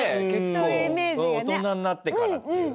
大人になってからっていう。